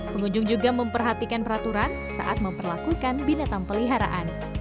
pengunjung juga memperhatikan peraturan saat memperlakukan binatang peliharaan